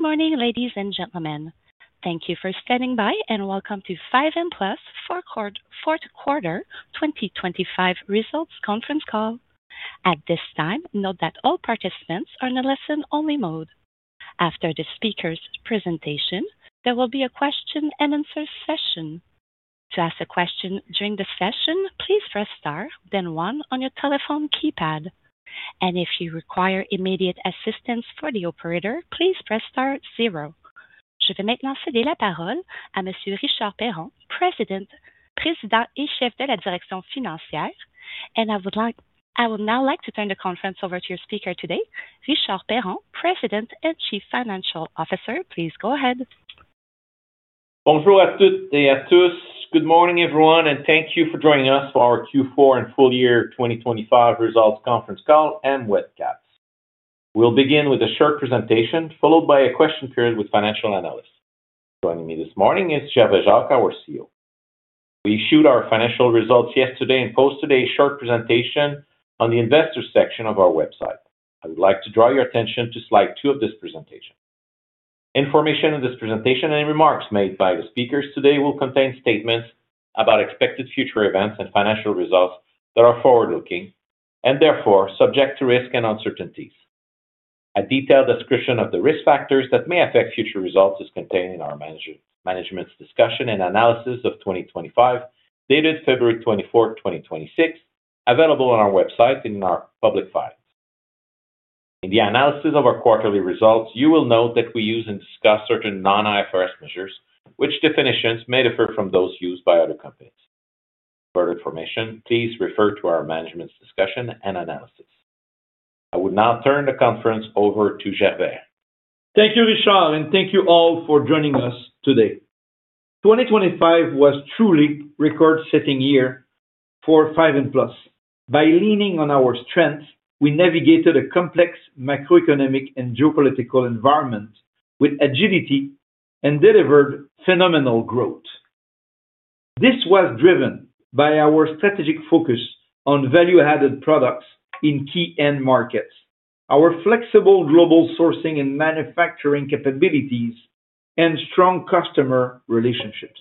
Good morning, ladies and gentlemen. Thank you for standing by, and welcome to 5N Plus fourth quarter 2025 results conference call. At this time, note that all participants are in a listen-only mode. After the speaker's presentation, there will be a question-and-answer session. To ask a question during the session, please press Star, then one on your telephone keypad. If you require immediate assistance for the operator, please press star zero. Richard Perron, President and Chief Financial Officer. I would now like to turn the conference over to your speaker today, Richard Perron, President and Chief Financial Officer. Please go ahead. Bonjour, à toutes et à tous. Good morning, everyone. Thank you for joining us for our Q4 and full year 2025 results conference call and webcast. We'll begin with a short presentation, followed by a question period with financial analysts. Joining me this morning is Gervais Jacques, our CEO. We issued our financial results yesterday and posted a short presentation on the investor section of our website. I would like to draw your attention to slide 2 of this presentation. Information in this presentation and any remarks made by the speakers today will contain statements about expected future events and financial results that are forward-looking and therefore subject to risk and uncertainties. A detailed description of the risk factors that may affect future results is contained in our management's discussion and analysis of 2025, dated February 24th, 2026, available on our website in our public filings. In the analysis of our quarterly results, you will note that we use and discuss certain non-IFRS measures, which definitions may differ from those used by other companies. For information, please refer to our management's discussion and analysis. I would now turn the conference over to Gervais. Thank you, Richard. Thank you all for joining us today. 2025 was truly record-setting year for 5N Plus. By leaning on our strengths, we navigated a complex macroeconomic and geopolitical environment with agility and delivered phenomenal growth. This was driven by our strategic focus on value-added products in key end markets, our flexible global sourcing and manufacturing capabilities, and strong customer relationships.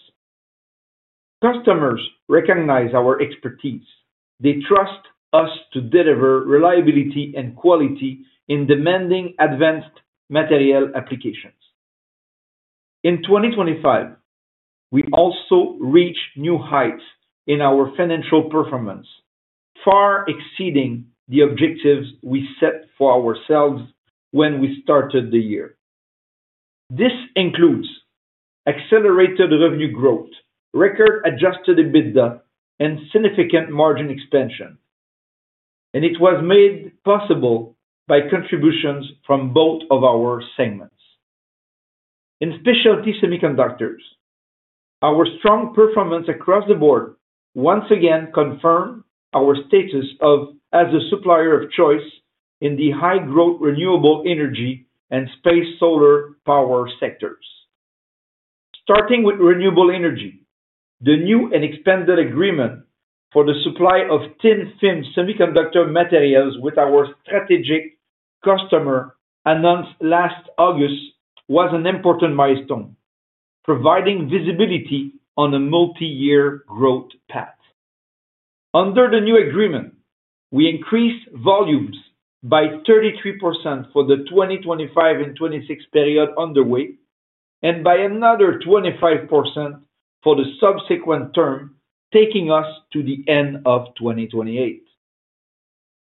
Customers recognize our expertise. They trust us to deliver reliability and quality in demanding advanced material applications. In 2025, we also reached new heights in our financial performance, far exceeding the objectives we set for ourselves when we started the year. This includes accelerated revenue growth, record Adjusted EBITDA, and significant margin expansion. It was made possible by contributions from both of our segments. In Specialty Semiconductors, our strong performance across the board once again confirmed our status as a supplier of choice in the high-growth, renewable energy and space solar power sectors. Starting with renewable energy, the new and expanded agreement for the supply of thin-film semiconductor materials with our strategic customer, announced last August, was an important milestone, providing visibility on a multi-year growth path. Under the new agreement, we increased volumes by 33% for the 2025 and 2026 period underway. By another 25% for the subsequent term, taking us to the end of 2028.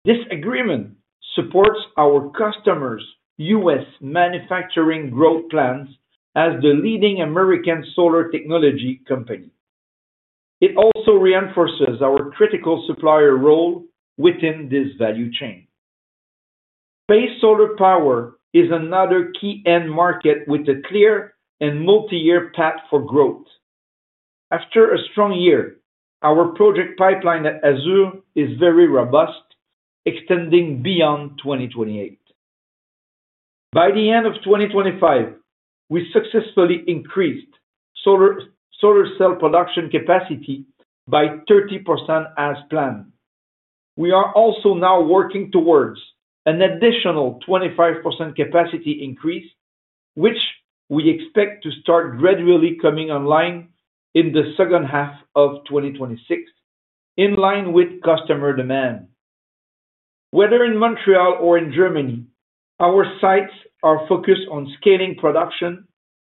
This agreement supports our customers' U.S. manufacturing growth plans as the leading American solar technology company. It also reinforces our critical supplier role within this value chain. Space solar power is another key end market with a clear and multi-year path for growth. After a strong year, our project pipeline at AZUR SPACE is very robust, extending beyond 2028. By the end of 2025, we successfully increased solar cell production capacity by 30% as planned. We are also now working towards an additional 25% capacity increase, which we expect to start gradually coming online in the second half of 2026, in line with customer demand. Whether in Montreal or in Germany, our sites are focused on scaling production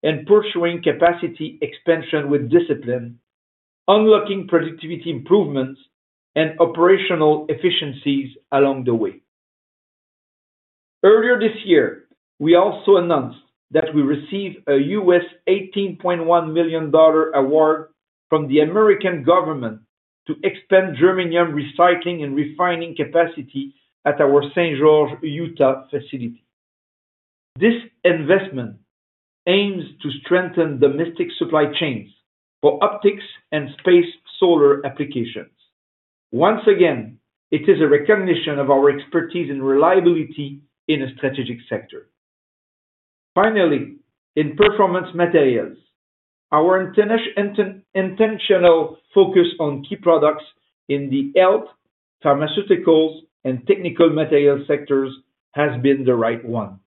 and pursuing capacity expansion with discipline, unlocking productivity improvements and operational efficiencies along the way. Earlier this year, we also announced that we received a $18.1 million award from the U.S. Government to expand germanium recycling and refining capacity at our St. George, Utah facility. This investment aims to strengthen domestic supply chains for optics and space solar applications. Once again, it is a recognition of our expertise and reliability in a strategic sector. In Performance Materials, our intentional focus on key products in the health, pharmaceuticals, and technical material sectors has been the right one.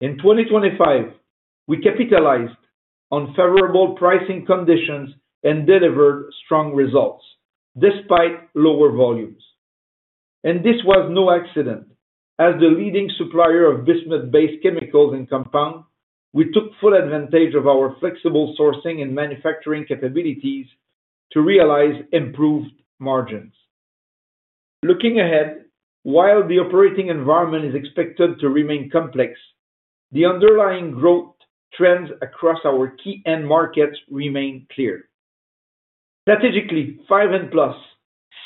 In 2025, we capitalized on favorable pricing conditions and delivered strong results, despite lower volumes, and this was no accident. As the leading supplier of bismuth-based chemicals and compound, we took full advantage of our flexible sourcing and manufacturing capabilities to realize improved margins. Looking ahead, while the operating environment is expected to remain complex, the underlying growth trends across our key end markets remain clear. Strategically, 5N Plus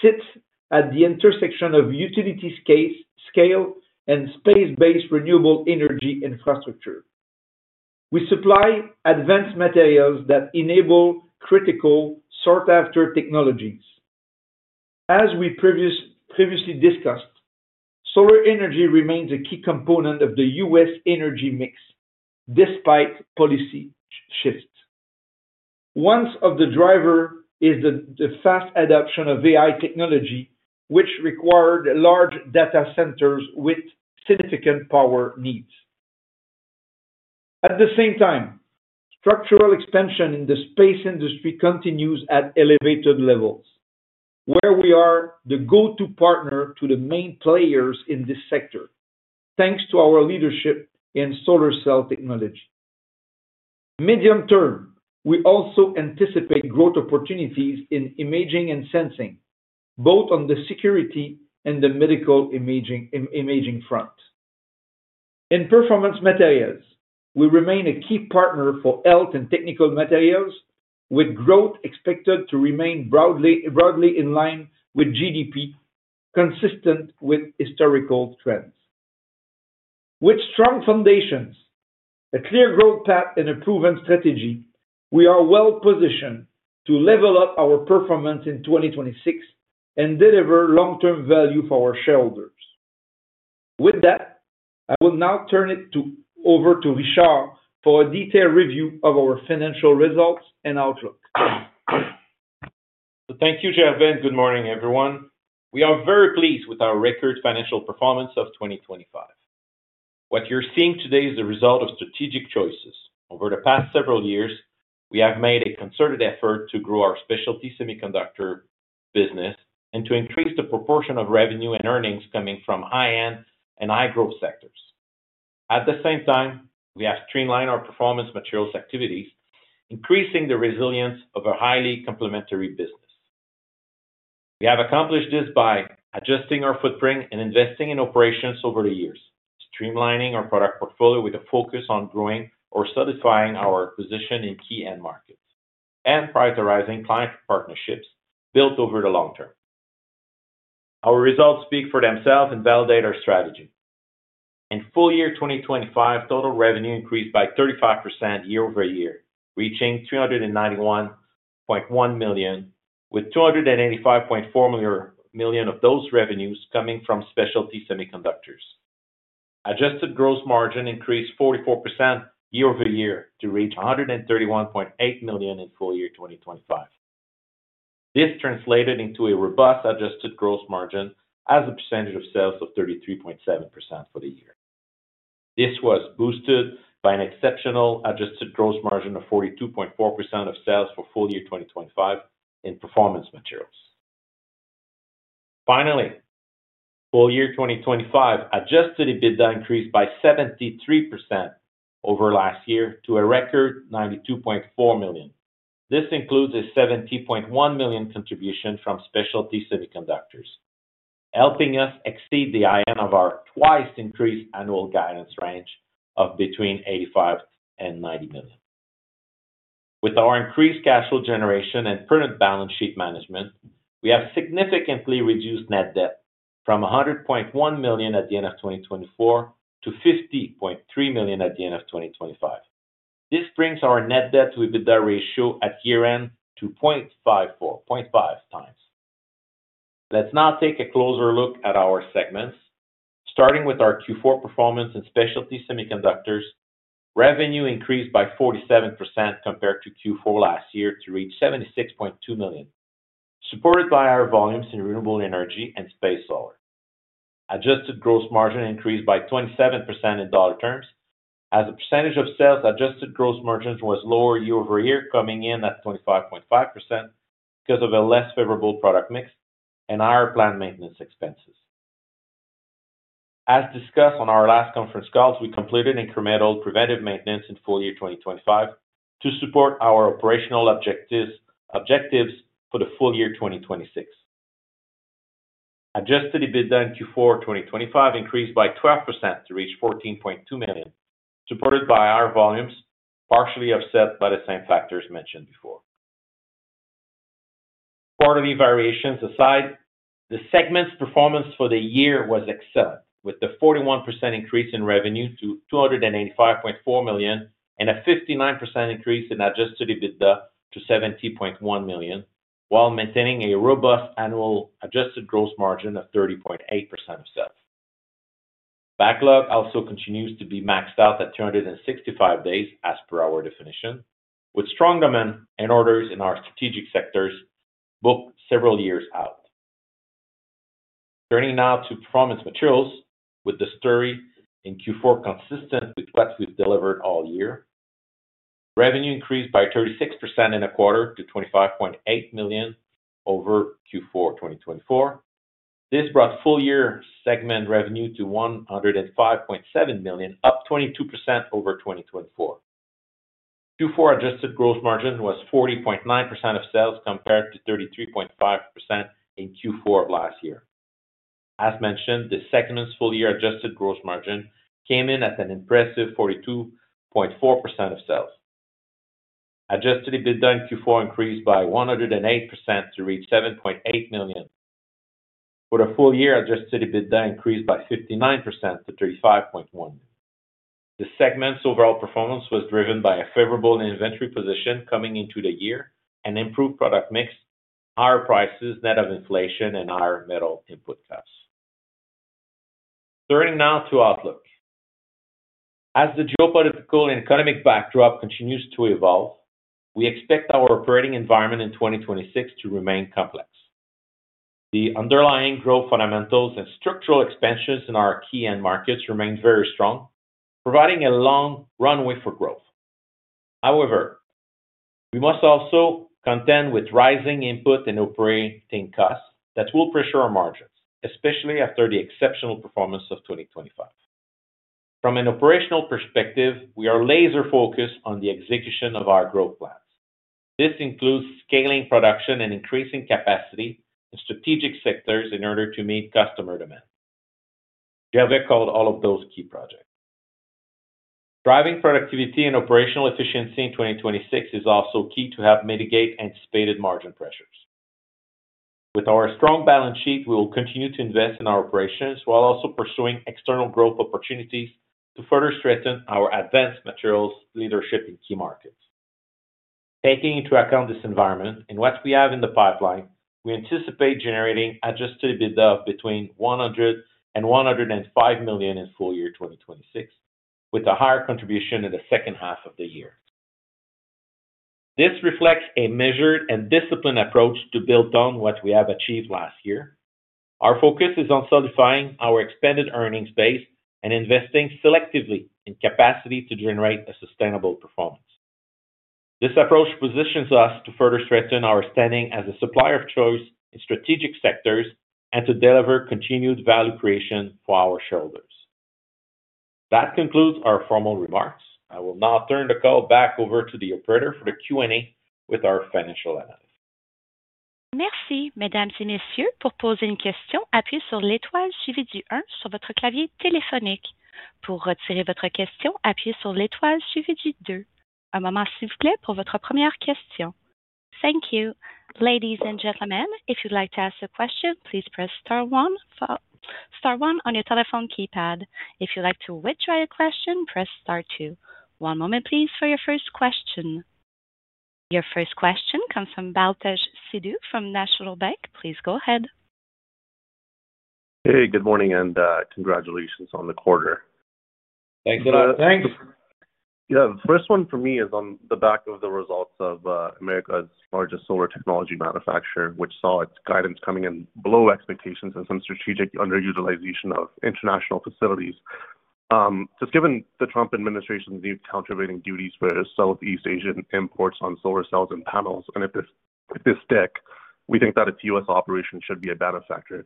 sits at the intersection of utility scale and space-based renewable energy infrastructure. We supply advanced materials that enable critical, sought-after technologies. As we previously discussed, solar energy remains a key component of the U.S. energy mix, despite policy shifts. One of the driver is the fast adoption of AI technology, which required large data centers with significant power needs. At the same time, structural expansion in the space industry continues at elevated levels, where we are the go-to partner to the main players in this sector, thanks to our leadership in solar cell technology. Medium term, we also anticipate growth opportunities in imaging and sensing, both on the security and the medical imaging front. In Performance Materials, we remain a key partner for health and technical materials, with growth expected to remain broadly in line with GDP, consistent with historical trends. With strong foundations, a clear growth path, and a proven strategy, we are well-positioned to level up our performance in 2026 and deliver long-term value for our shareholders. I will now turn it over to Richard for a detailed review of our financial results and outlook. Thank you, Gervais. Good morning, everyone. We are very pleased with our record financial performance of 2025. What you're seeing today is the result of strategic choices. Over the past several years, we have made a concerted effort to grow our Specialty Semiconductor business and to increase the proportion of revenue and earnings coming from high-end and high-growth sectors. At the same time, we have streamlined our Performance Materials activities, increasing the resilience of our highly complementary business. We have accomplished this by adjusting our footprint and investing in operations over the years, streamlining our product portfolio with a focus on growing or solidifying our position in key end markets, and prioritizing client partnerships built over the long term. Our results speak for themselves and validate our strategy. In full year 2025, total revenue increased by 35% year-over-year, reaching $391.1 million, with $285.4 million of those revenues coming from Specialty Semiconductors. Adjusted gross margin increased 44% year-over-year to reach $131.8 million in full year 2025. This translated into a robust Adjusted gross margin as a percentage of sales of 33.7% for the year. This was boosted by an exceptional Adjusted gross margin of 42.4% of sales for full year 2025 in Performance Materials. Finally, full year 2025, Adjusted EBITDA increased by 73% over last year to a record $92.4 million. This includes a $70.1 million contribution from Specialty Semiconductors, helping us exceed the high end of our twice increased annual guidance range of between $85 million and $90 million. With our increased cash flow generation and prudent balance sheet management, we have significantly reduced net debt from $100.1 million at the end of 2024 to $50.3 million at the end of 2025. This brings our net debt to EBITDA ratio at year-end to 0.54, 0.5 times. Let's now take a closer look at our segments. Starting with our Q4 performance in Specialty Semiconductors, revenue increased by 47% compared to Q4 last year to reach $76.2 million, supported by our volumes in renewable energy and space solar. Adjusted gross margin increased by 27% in dollar terms. As a percentage of sales, Adjusted gross margin was lower year-over-year, coming in at 25.5% because of a less favorable product mix and our planned maintenance expenses. As discussed on our last conference calls, we completed incremental preventive maintenance in full year 2025 to support our operational objectives for the full year 2026. Adjusted EBITDA in Q4 2025 increased by 12% to reach $14.2 million, supported by our volumes, partially offset by the same factors mentioned before. Quarterly variations aside, the segment's performance for the year was excellent, with a 41% increase in revenue to $285.4 million and a 59% increase in Adjusted EBITDA to $70.1 million, while maintaining a robust annual Adjusted gross margin of 30.8% of sales. Backlog also continues to be maxed out at 265 days, as per our definition, with strong demand and orders in our strategic sectors booked several years out. Turning now to Performance Materials, with the story in Q4, consistent with what we've delivered all year. Revenue increased by 36% in a quarter, to $25.8 million over Q4 2024. This brought full year segment revenue to $105.7 million, up 22% over 2024. Q4 Adjusted gross margin was 40.9% of sales, compared to 33.5% in Q4 of last year. As mentioned, the segment's full year Adjusted gross margin came in at an impressive 42.4% of sales. Adjusted EBITDA in Q4 increased by 108% to reach $7.8 million. For the full year, Adjusted EBITDA increased by 59% to $35.1 million. The segment's overall performance was driven by a favorable inventory position coming into the year and improved product mix, higher prices, net of inflation and higher metal input costs. Turning now to outlook. As the geopolitical and economic backdrop continues to evolve, we expect our operating environment in 2026 to remain complex. The underlying growth fundamentals and structural expansions in our key end markets remain very strong, providing a long runway for growth. However, we must also contend with rising input and operating costs that will pressure our margins, especially after the exceptional performance of 2025. From an operational perspective, we are laser focused on the execution of our growth plans. This includes scaling production and increasing capacity in strategic sectors in order to meet customer demand. Gervais called all of those key projects. Driving productivity and operational efficiency in 2026 is also key to help mitigate anticipated margin pressures. With our strong balance sheet, we will continue to invest in our operations while also pursuing external growth opportunities to further strengthen our advanced materials leadership in key markets. Taking into account this environment and what we have in the pipeline, we anticipate generating Adjusted EBITDA of between $100 million and $105 million in full year 2026, with a higher contribution in the second half of the year. This reflects a measured and disciplined approach to build on what we have achieved last year. Our focus is on solidifying our expanded earnings base and investing selectively in capacity to generate a sustainable performance. This approach positions us to further strengthen our standing as a supplier of choice in strategic sectors, and to deliver continued value creation for our shareholders. That concludes our formal remarks. I will now turn the call back over to the operator for the Q&A with our financial analyst. Thank you, ladies and gentlemen. If you'd like to ask a question, please press star one, star one on your telephone keypad. If you'd like to withdraw your question, press star two. One moment, please, for your first question. Your first question comes from Baltej Sidhu from National Bank. Please go ahead. Hey, good morning, and, congratulations on the quarter. Thanks. Yeah. The first one for me is on the back of the results of America's largest solar technology manufacturer, which saw its guidance coming in below expectations and some strategic underutilization of international facilities. Just given the Trump administration's new countervailing duties for Southeast Asian imports on solar cells and panels, and if this stick, we think that its U.S. operations should be a benefactor.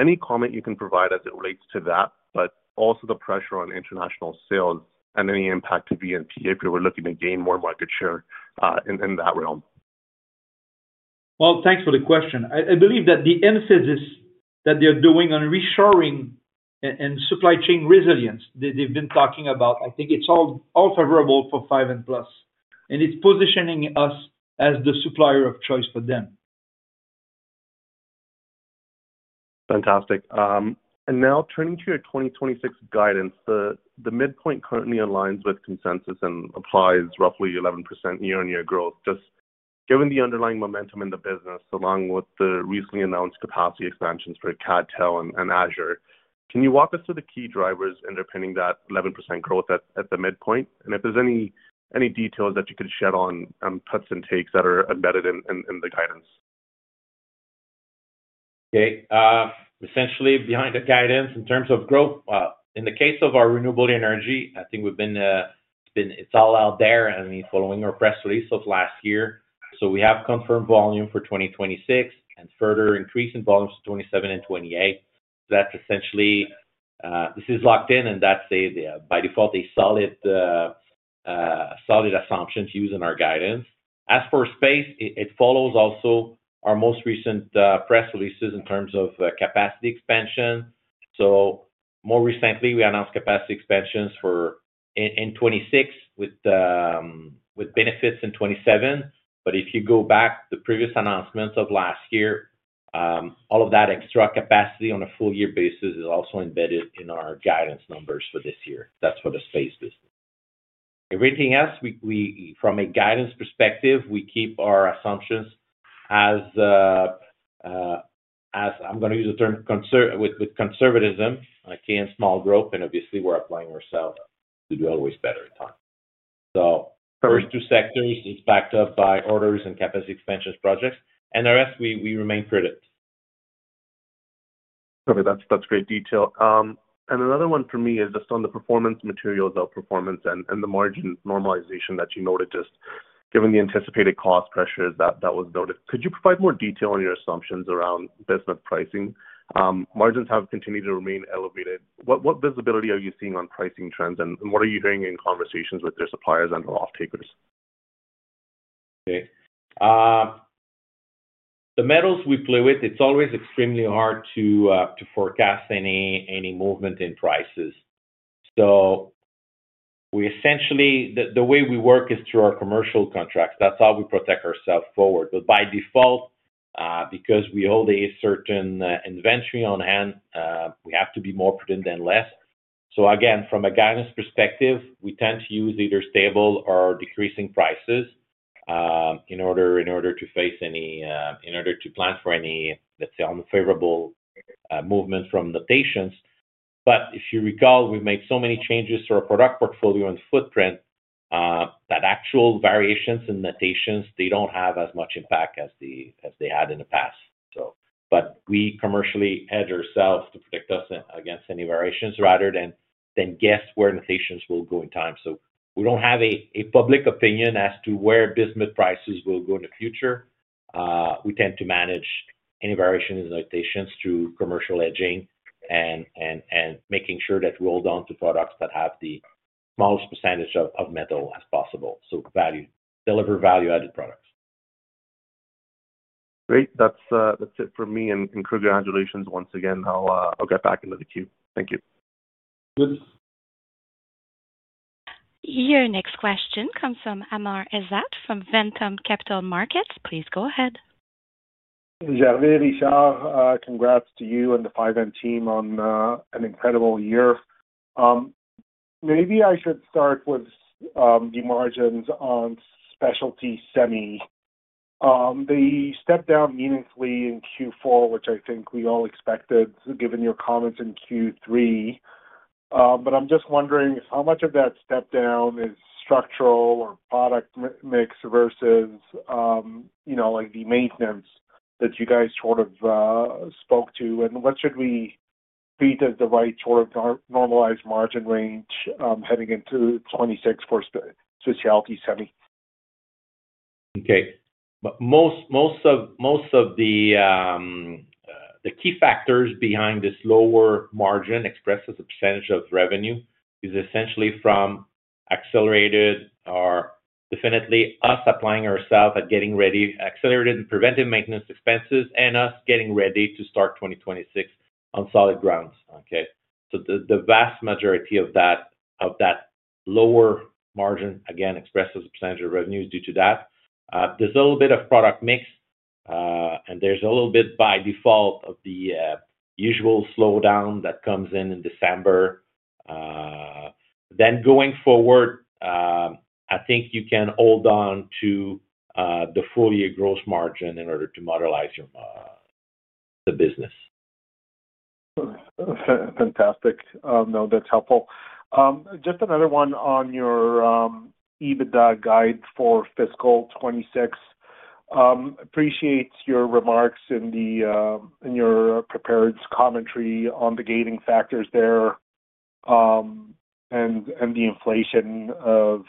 Any comment you can provide as it relates to that, but also the pressure on international sales and any impact to VNTE, if you're looking to gain more market share in that realm? Well, thanks for the question. I believe that the emphasis that they're doing on reshoring and supply chain resilience that they've been talking about, I think it's all favorable for 5N Plus, and it's positioning us as the supplier of choice for them. Fantastic. Now turning to your 2026 guidance, the midpoint currently aligns with consensus and applies roughly 11% year-on-year growth. Just given the underlying momentum in the business, along with the recently announced capacity expansions for CdTe and AZUR SPACE, can you walk us through the key drivers underpinning that 11% growth at the midpoint? If there's any details that you could shed on cuts and takes that are embedded in the guidance. Essentially, behind the guidance in terms of growth, in the case of our renewable energy, I think we've been it's all out there, and following our press release of last year, we have confirmed volume for 2026 and further increase in volumes to 2027 and 2028. That's essentially. This is locked in, and that's a, by default, a solid assumptions used in our guidance. As for space, it follows also our most recent press releases in terms of capacity expansion. More recently, we announced capacity expansions in 2026, with benefits in 2027. If you go back to the previous announcements of last year, all of that extra capacity on a full year basis is also embedded in our guidance numbers for this year. That's for the space business. Everything else, we from a guidance perspective, we keep our assumptions as I'm gonna use the term with conservatism, like, and small growth, and obviously we're applying ourselves to do always better in time. First two sectors is backed up by orders and capacity expansions projects, and the rest we remain prudent. Okay, that's great detail. Another one for me is just on the Performance Materials outperformance and the margin normalization that you noted, just given the anticipated cost pressures that was noted. Could you provide more detail on your assumptions around bismuth pricing? Margins have continued to remain elevated. What, what visibility are you seeing on pricing trends, and what are you hearing in conversations with your suppliers and off-takers? The metals we play with, it's always extremely hard to forecast any movement in prices. We essentially, the way we work is through our commercial contracts. That's how we protect ourselves forward. By default, because we hold a certain inventory on hand, we have to be more prudent than less. Again, from a guidance perspective, we tend to use either stable or decreasing prices, in order to face any, in order to plan for any, let's say, unfavorable movement from foreign exchange. If you recall, we've made so many changes to our product portfolio and footprint, that actual variations in foreign exchange, they don't have as much impact as they had in the past. We commercially hedge ourselves to protect us against any variations, rather than then guess where foreign exchange will go in time. We don't have a public opinion as to where bismuth prices will go in the future. We tend to manage any variations in foreign exchange through commercial hedging and making sure that we hold on to products that have the smallest percentage of metal as possible, so value, deliver value-added products. Great! That's, that's it for me, and congratulations once again. I'll get back into the queue. Thank you. Good. Your next question comes from Amr Ezzat from Ventum Capital Markets. Please go ahead. Xavier Richard, congrats to you and the 5N Plus team on an incredible year. Maybe I should start with the margins on specialty semi. They stepped down meaningfully in Q4, which I think we all expected, given your comments in Q3. I'm just wondering, how much of that step down is structural or product mix versus, you know, like the maintenance that you guys sort of spoke to? What should we treat as the right sort of normalized margin range heading into 2026 for specialty semi? Okay. Most of the key factors behind this lower margin expressed as a percentage of revenue, is essentially from accelerated or definitely us applying ourselves at getting ready, accelerated and preventive maintenance expenses, and us getting ready to start 2026 on solid grounds, okay? The vast majority of that lower margin, again, expressed as a percentage of revenues due to that. There's a little bit of product mix, and there's a little bit by default of the usual slowdown that comes in in December. Going forward, I think you can hold on to the full year gross margin in order to modelize your the business. Fantastic. no, that's helpful. just another one on your EBITDA guide for fiscal 2026. appreciate your remarks in the in your prepared commentary on the gating factors there, and the inflation of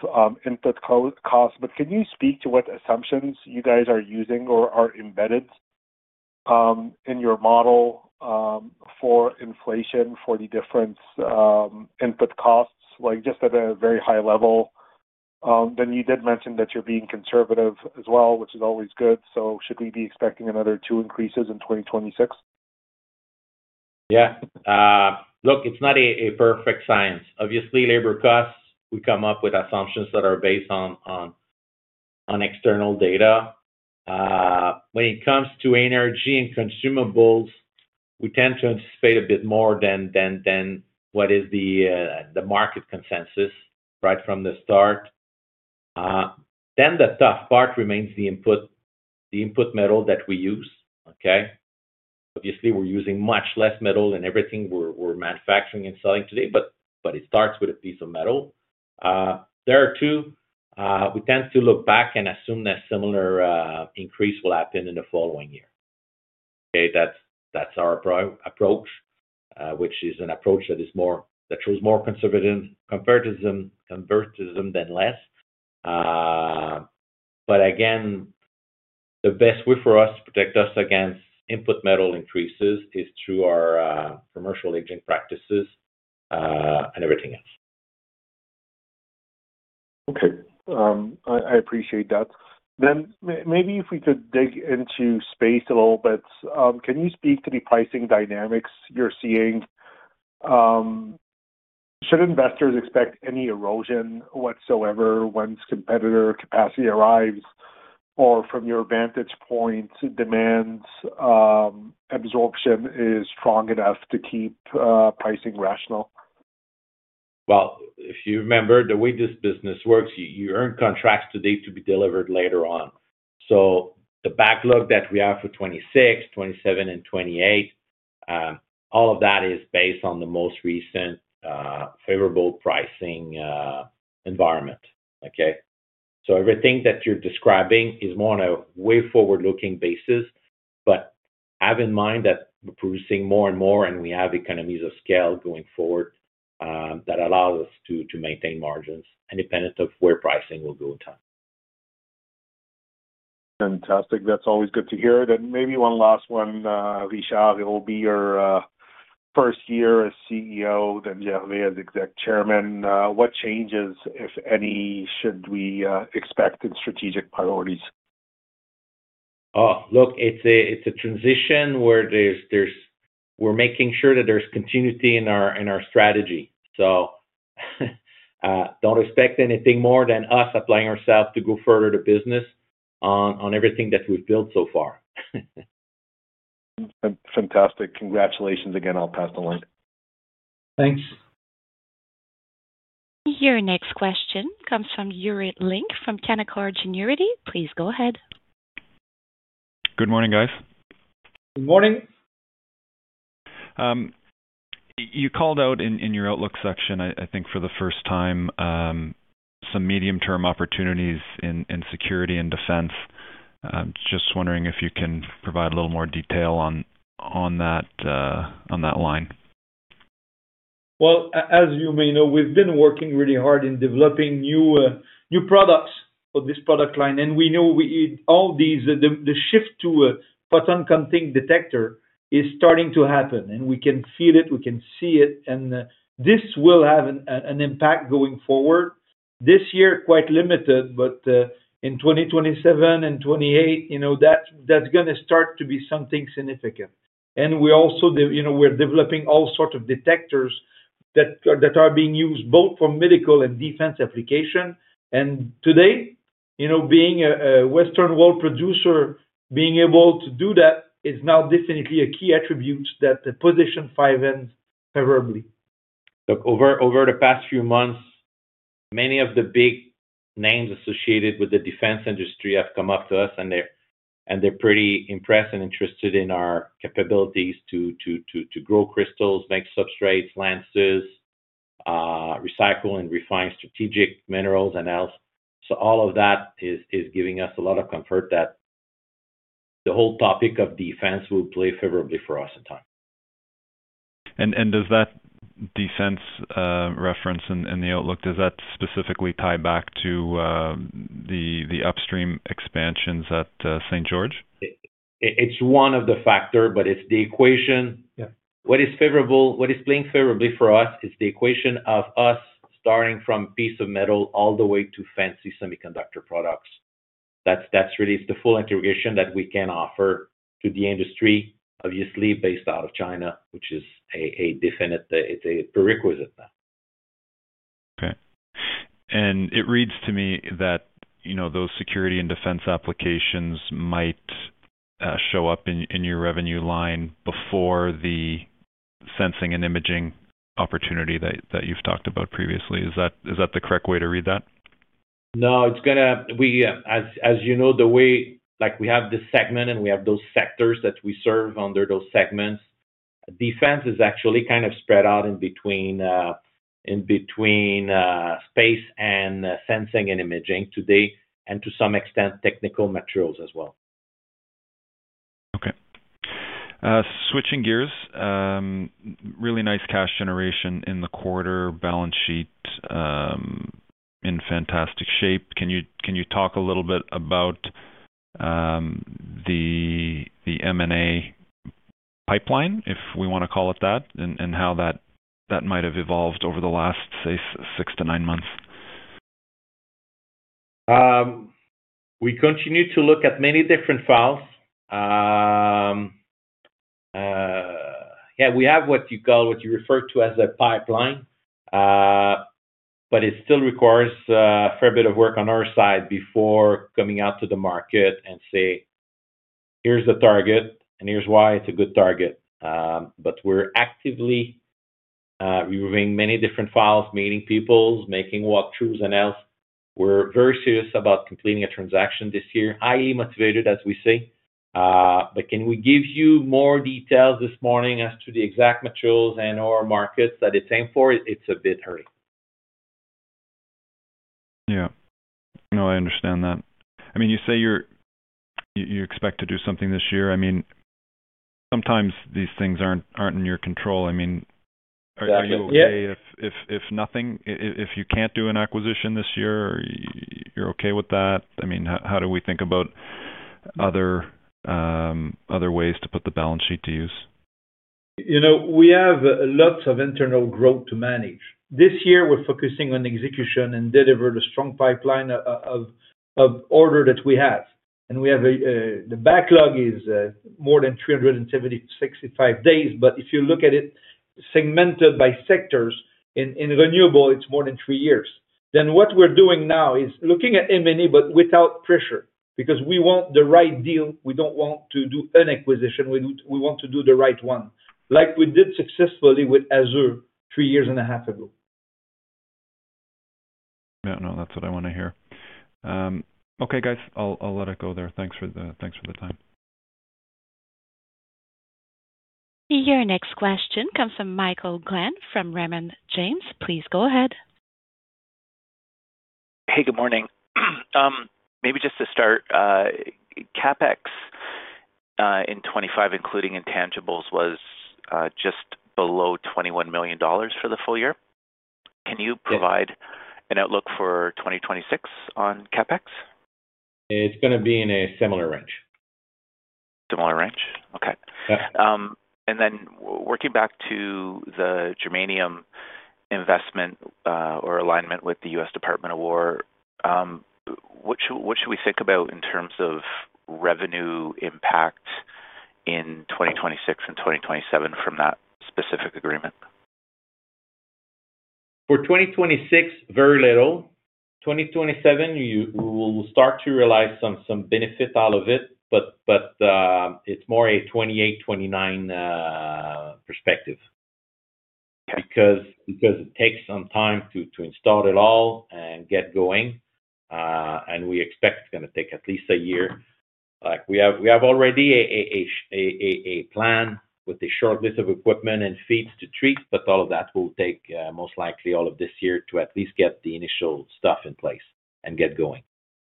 input co-costs. Can you speak to what assumptions you guys are using or are embedded in your model, for inflation, for the different input costs, like just at a very high level? you did mention that you're being conservative as well, which is always good, so should we be expecting another two increases in 2026? Yeah. Look, it's not a perfect science. Obviously, labor costs, we come up with assumptions that are based on external data. When it comes to energy and consumables, we tend to anticipate a bit more than what is the market consensus, right from the start. The tough part remains the input, the input metal that we use, okay? Obviously, we're using much less metal in everything we're manufacturing and selling today, but it starts with a piece of metal. There are two, we tend to look back and assume that similar increase will happen in the following year. Okay? That's, that's our approach, which is an approach that is more, that was more conservative compared to them than less. Again, the best way for us to protect us against input metal increases is through our commercial hedging practices and everything else. Okay, I appreciate that. Maybe if we could dig into space a little bit. Can you speak to the pricing dynamics you're seeing? Should investors expect any erosion whatsoever once competitor capacity arrives? From your vantage point, demand, absorption is strong enough to keep pricing rational? If you remember, the way this business works, you earn contracts today to be delivered later on. The backlog that we have for 2026, 2027 and 2028, all of that is based on the most recent favorable pricing environment. Okay. Everything that you're describing is more on a way forward-looking basis, but have in mind that we're producing more and more, and we have economies of scale going forward, that allow us to maintain margins independent of where pricing will go in time. Fantastic. That's always good to hear. Maybe one last one, Richard. It will be your first year as CEO, then Gervais, as Executive Chairman. What changes, if any, should we expect in strategic priorities? Look, it's a transition where we're making sure that there's continuity in our strategy. Don't expect anything more than us applying ourselves to go further the business on everything that we've built so far. Fantastic. Congratulations again. I'll pass the line. Thanks. Your next question comes from Yuri Lynk from Canaccord Genuity. Please go ahead. Good morning, guys. Good morning. You called out in your outlook section, I think for the first time, some medium-term opportunities in security and defense. I'm just wondering if you can provide a little more detail on that, on that line. Well, as you may know, we've been working really hard in developing new products for this product line, and we know we need all these. The shift to a photon counting detector is starting to happen, and we can feel it, we can see it, and this will have an impact going forward. This year, quite limited, but, in 2027 and 2028, you know, that's gonna start to be something significant. We also, you know, we're developing all sorts of detectors that are being used both for medical and defense application. Today, you know, being a Western world producer, being able to do that is now definitely a key attribute that position 5N Plus favorably. Over the past few months, many of the big names associated with the defense industry have come up to us, and they're pretty impressed and interested in our capabilities to grow crystals, make substrates, lenses, recycle and refine strategic minerals, and else. All of that is giving us a lot of comfort that the whole topic of defense will play favorably for us in time. Does that defense reference in the outlook, does that specifically tie back to the upstream expansions at St. George? It's one of the factor, but it's the equation. Yeah. What is playing favorably for us is the equation of us starting from piece of metal all the way to fancy semiconductor products. That's really the full integration that we can offer to the industry, obviously, based out of China, which is a definite, it's a prerequisite now. Okay. It reads to me that, you know, those security and defense applications might show up in your revenue line before the sensing and imaging opportunity that you've talked about previously. Is that the correct way to read that? No. We, as you know, the way, like, we have this segment and we have those sectors that we serve under those segments, defense is actually kind of spread out in between, in between space and sensing and imaging today, and to some extent, technical materials as well. Okay. switching gears, really nice cash generation in the quarter balance sheet, in fantastic shape. Can you talk a little bit about, the M&A pipeline, if we wanna call it that, and how that might have evolved over the last, say, six to nine months? We continue to look at many different files. Yeah, we have what you call, what you refer to as a pipeline, but it still requires fair bit of work on our side before coming out to the market and say, "Here's the target, and here's why it's a good target." We're actively reviewing many different files, meeting peoples, making walkthroughs, and else. We're very serious about completing a transaction this year, highly motivated, as we say. Can we give you more details this morning as to the exact materials and/or markets that it's aimed for? It's a bit hurry. Yeah. No, I understand that. I mean, you say you expect to do something this year. I mean, sometimes these things aren't in your control. Exactly, yeah. Are you okay if nothing, if you can't do an acquisition this year, you're okay with that? I mean, how do we think about other ways to put the balance sheet to use? You know, we have lots of internal growth to manage. This year, we're focusing on execution and deliver the strong pipeline of order that we have. We have a, the backlog is, more than 365 days, but if you look at it.segmented by sectors. In renewable, it's more than three years. What we're doing now is looking at M&A, without pressure, because we want the right deal. We don't want to do any acquisition. We want to do the right one, like we did successfully with AZUR SPACE three years and a half ago. Yeah, no, that's what I want to hear. Okay, guys, I'll let it go there. Thanks for the time. Your next question comes from Michael Glen from Raymond James. Please go ahead. Hey, good morning. Maybe just to start, CapEx in 2025, including intangibles, was just below $21 million for the full year. Can you provide an outlook for 2026 on CapEx? It's gonna be in a similar range. Similar range? Okay. Yeah. Then working back to the germanium investment, or alignment with the U.S. Department of Defense, what should we think about in terms of revenue impact in 2026 and 2027 from that specific agreement? For 2026, very little. 2027, we will start to realize some benefit out of it, but it's more a 2028, 2029 perspective. Okay. Because it takes some time to install it all and get going. We expect it's gonna take at least a year. Like, we have already a plan with a short list of equipment and feeds to treat, all of that will take most likely all of this year to at least get the initial stuff in place and get going.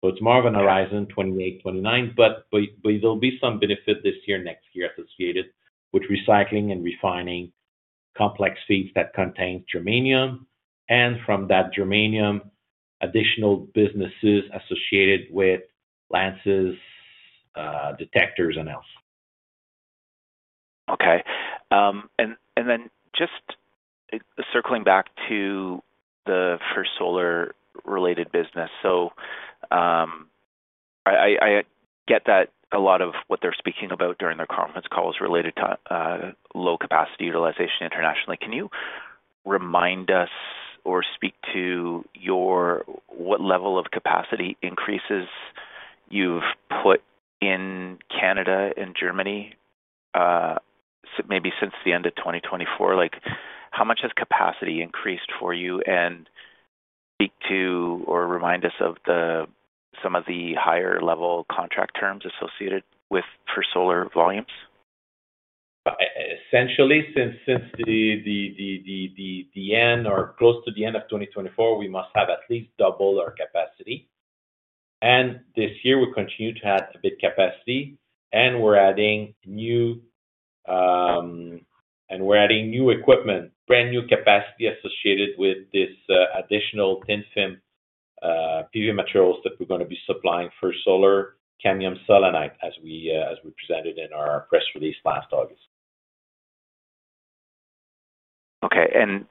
It's more of an horizon 2028, 2029, but there'll be some benefit this year, next year, associated with recycling and refining complex feeds that contain germanium, and from that germanium, additional businesses associated with lenses, detectors, and else. Then just circling back to the First Solar related business. I get that a lot of what they're speaking about during their conference call is related to low capacity utilization internationally. Can you remind us or speak to your, what level of capacity increases you've put in Canada and Germany, maybe since the end of 2024? Like, how much has capacity increased for you? And speak to or remind us of the, some of the higher level contract terms associated with First Solar volumes. essentially, since the end or close to the end of 2024, we must have at least double our capacity. This year, we continue to add a bit capacity, we're adding new equipment, brand-new capacity associated with this additional thin film PV materials that we're gonna be supplying for solar cadmium selenide, as we presented in our press release last August. Okay.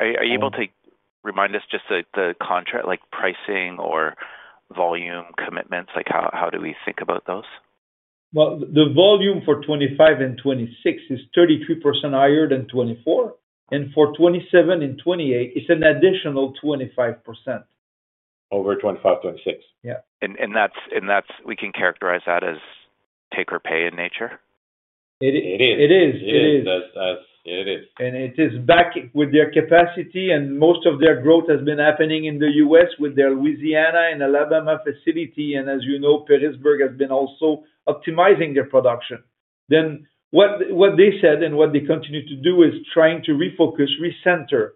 Are you able to remind us just the contract, like pricing or volume commitments? Like, how do we think about those? The volume for 2025 and 2026 is 33% higher than 2024, and for 2027 and 2028, it's an additional 25%. Over 25, 26. Yeah. We can characterize that as take or pay in nature? It is. It is. It is. Yes, yes, it is. It is back with their capacity, and most of their growth has been happening in the U.S. with their Louisiana and Alabama facility. As you know, Perrysburg has been also optimizing their production. What they said and what they continue to do is trying to refocus, recenter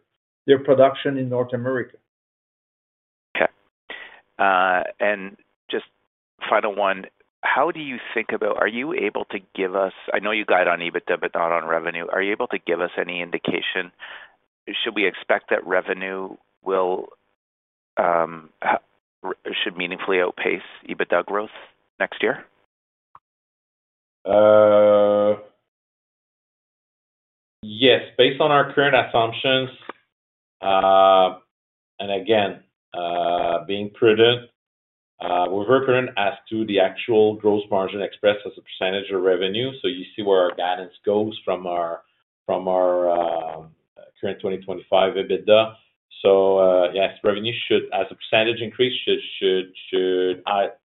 their production in North America. Okay. Just final one, I know you guide on EBITDA, but not on revenue, are you able to give us any indication, should we expect that revenue will meaningfully outpace EBITDA growth next year? Yes, based on our current assumptions, and again, being prudent, we're very prudent as to the actual gross margin expressed as a percentage of revenue. You see where our guidance goes from our current 2025 EBITDA. Yes, revenue should, as a percentage increase, should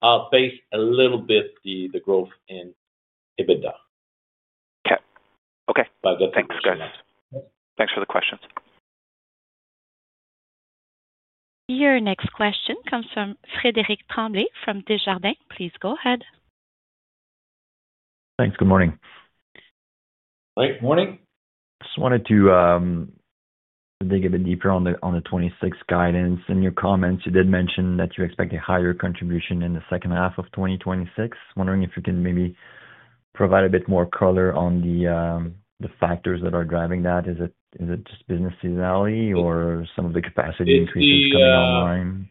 outpace a little bit the growth in EBITDA. Okay. Okay. that's-. Thanks, guys. Thanks for the questions. Your next question comes from Frederic Tremblay from Desjardins. Please go ahead. Thanks. Good morning. Good morning. Just wanted to dig a bit deeper on the 2026 guidance. In your comments, you did mention that you expect a higher contribution in the second half of 2026. Wondering if you can maybe provide a bit more color on the factors that are driving that. Is it just business seasonality or some of the capacity increases? It's the. -coming online?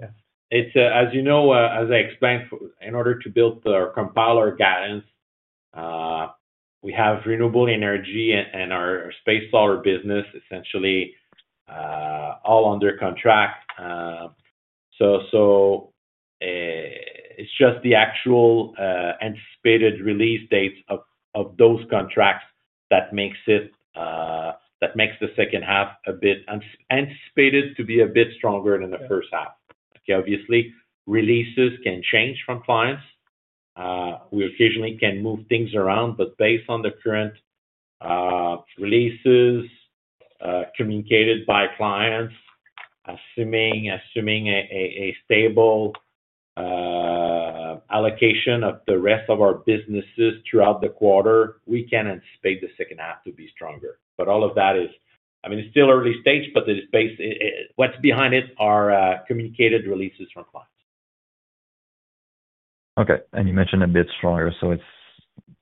Yeah. It's, as you know, as I explained, in order to build or compile our guidance, we have renewable energy and our space solar business essentially, all under contract. It's just the actual anticipated release dates of those contracts that makes it that makes the second half anticipated to be a bit stronger than the first half. Okay, obviously, releases can change from clients. We occasionally can move things around, but based on the current releases communicated by clients, assuming a stable allocation of the rest of our businesses throughout the quarter, we can anticipate the second half to be stronger. All of that I mean, it's still early stage, but the base what's behind it are communicated releases from clients. Okay. You mentioned a bit stronger, so it's,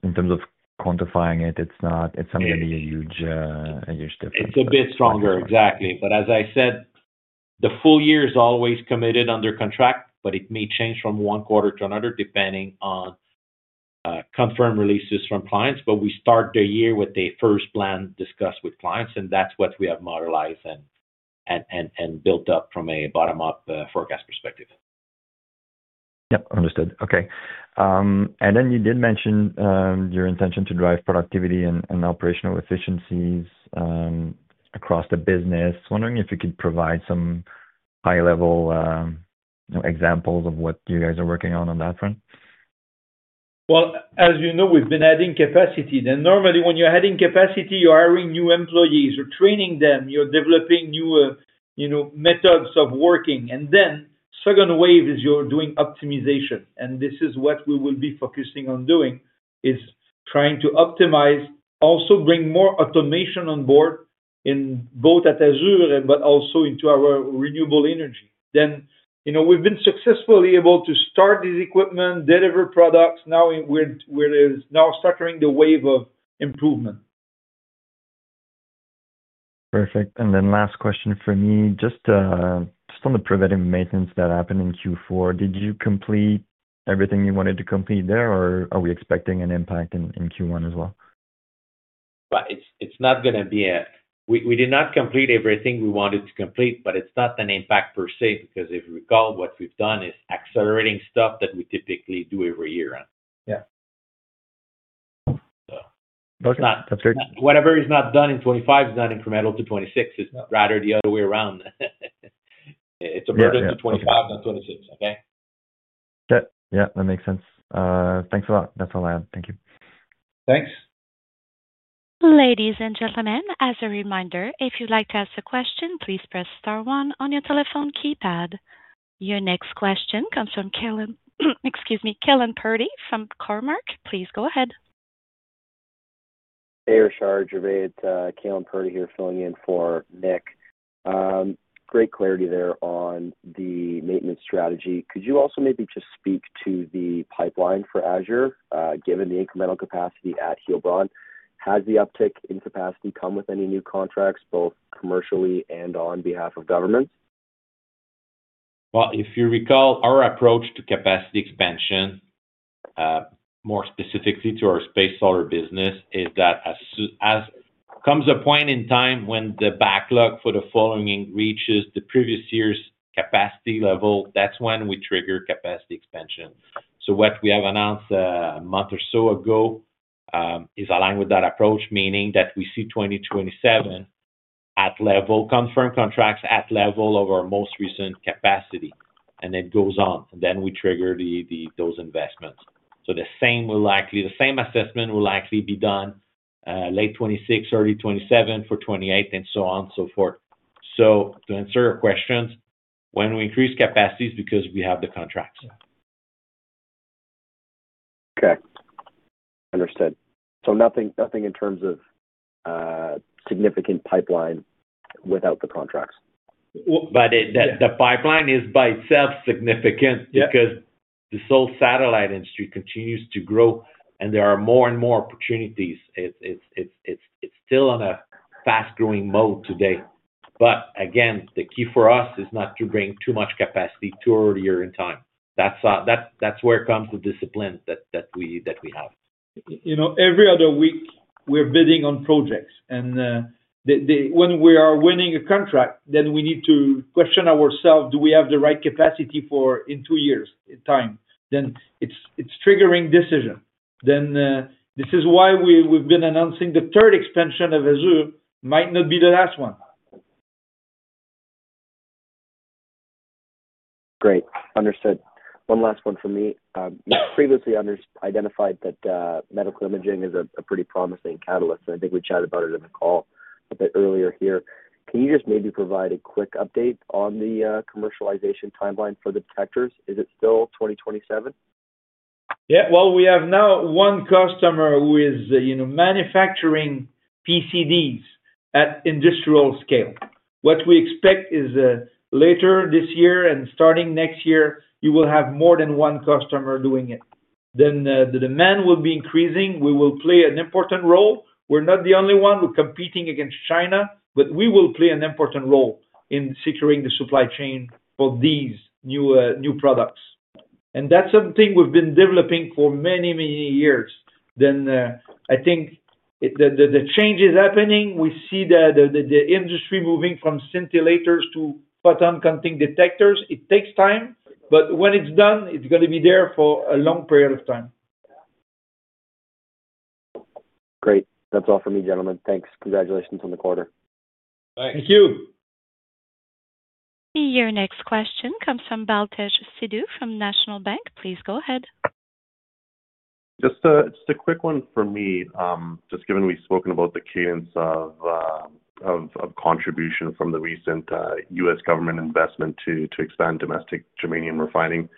in terms of quantifying it's not. Yeah. It's not gonna be a huge difference. It's a bit stronger, exactly. As I said, the full year is always committed under contract, but it may change from one quarter to another, depending on confirmed releases from clients. We start the year with the first plan discussed with clients, and that's what we have modelized and built up from a bottom-up forecast perspective. Yeah, understood. Okay. You did mention your intention to drive productivity and operational efficiencies across the business. Wondering if you could provide some high-level, you know, examples of what you guys are working on that front? Well, as you know, we've been adding capacity. Normally, when you're adding capacity, you're hiring new employees, you're training them, you're developing new, you know, methods of working. Second wave is you're doing optimization, and this is what we will be focusing on doing, is trying to optimize, also bring more automation on board in both at AZUR SPACE, but also into our renewable energy. You know, we've been successfully able to start this equipment, deliver products. Now, we're now starting the wave of improvement. Perfect. Then last question for me, just on the preventive maintenance that happened in Q4, did you complete everything you wanted to complete there, or are we expecting an impact in Q1 as well? Well, it's not gonna be. We did not complete everything we wanted to complete, but it's not an impact per se, because if you recall, what we've done is accelerating stuff that we typically do every year. Yeah. Okay, that's great. Whatever is not done in 25 is not incremental to 26, it's rather the other way around. It's emergent to 25, not 26, okay? Yeah. Yeah, that makes sense. Thanks a lot. That's all I have. Thank you. Thanks. Ladies and gentlemen, as a reminder, if you'd like to ask a question, please press star one on your telephone keypad. Your next question comes from MacMurray Whale from Cormark. Please go ahead. Hey, Richard, Gervais, MacMurray Whale here filling in for Nick. Great clarity there on the maintenance strategy. Could you also maybe just speak to the pipeline for AZUR SPACE, given the incremental capacity at Heilbronn? Has the uptick in capacity come with any new contracts, both commercially and on behalf of government? If you recall, our approach to capacity expansion, more specifically to our space solar business, is that as soon as comes a point in time when the backlog for the following reaches the previous year's capacity level, that's when we trigger capacity expansion. What we have announced, a month or so ago, is aligned with that approach, meaning that we see 2027 at level, confirmed contracts at level of our most recent capacity, and it goes on, then we trigger those investments. The same assessment will likely be done, late 2026, early 2027 for 2028, and so on and so forth. To answer your questions, when we increase capacity, it's because we have the contracts. Okay. Understood. Nothing in terms of significant pipeline without the contracts? Well, the pipeline is by itself significant. Yeah because the sole satellite industry continues to grow and there are more and more opportunities. It's still on a fast-growing mode today. Again, the key for us is not to bring too much capacity too early in time. That's where comes the discipline that we have. You know, every other week, we're bidding on projects, and, the, when we are winning a contract, then we need to question ourselves, do we have the right capacity for in two years' time? It's triggering decision. This is why we've been announcing the third expansion of AZUR, might not be the last one. Great. Understood. One last one for me. Previously identified that medical imaging is a pretty promising catalyst, and I think we chatted about it in the call a bit earlier here. Can you just maybe provide a quick update on the commercialization timeline for the detectors? Is it still 2027? Yeah. Well, we have now one customer who is, you know, manufacturing PCDs at industrial scale. What we expect is that later this year and starting next year, you will have more than one customer doing it. The demand will be increasing. We will play an important role. We're not the only one, we're competing against China, but we will play an important role in securing the supply chain for these new products. That's something we've been developing for many, many years. I think the change is happening. We see the industry moving from scintillators to photon counting detectors. It takes time, but when it's done, it's gonna be there for a long period of time. Great. That's all for me, gentlemen. Thanks. Congratulations on the quarter. Thank you. Your next question comes from Baltej Sidhu from National Bank. Please go ahead. Just a quick one for me. Just given we've spoken about the cadence of contribution from the recent U.S. Government investment to expand domestic germanium refining,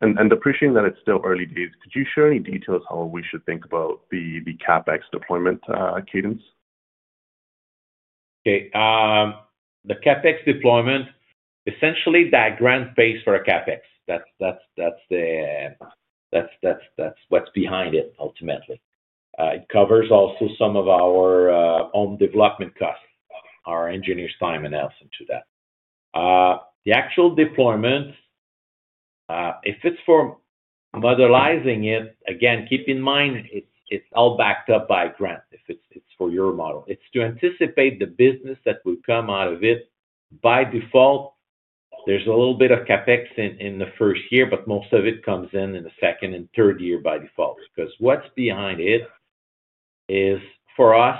and appreciating that it's still early days, could you share any details how we should think about the CapEx deployment cadence? Okay. The CapEx deployment, essentially, that grant pays for a CapEx. That's, that's the, that's, that's what's behind it, ultimately. It covers also some of our own development costs, our engineer's time and else into that. The actual deployment, if it's for modelizing it, again, keep in mind, it's all backed up by grant, if it's for your model. It's to anticipate the business that will come out of it. By default, there's a little bit of CapEx in the first year, but most of it comes in the second and third year by default. What's behind it is for us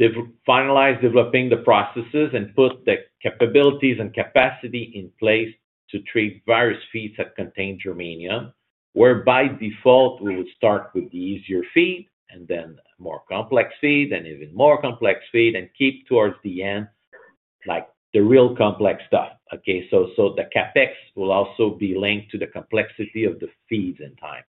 to finalize developing the processes and put the capabilities and capacity in place to treat various feeds that contain germanium, where by default, we would start with the easier feed, and then more complex feed, and even more complex feed, and keep towards the end, like, the real complex stuff, okay? The CapEx will also be linked to the complexity of the feeds and time.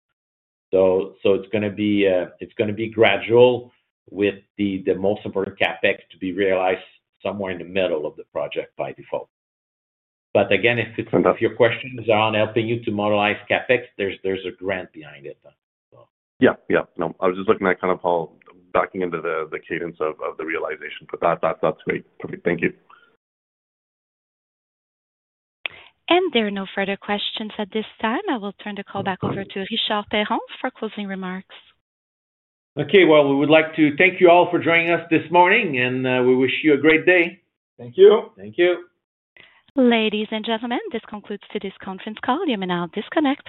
It's gonna be gradual with the most important CapEx to be realized somewhere in the middle of the project by default. Again, if it's Enough. If your questions are on helping you to modelize CapEx, there's a grant behind it, so. No, I was just looking at kind of how backing into the cadence of the realization. That, that's great. Perfect. Thank you. There are no further questions at this time. I will turn the call back over to Richard Perron for closing remarks. Okay. Well, we would like to thank you all for joining us this morning. We wish you a great day. Thank you. Thank you. Ladies and gentlemen, this concludes today's conference call. You may now disconnect.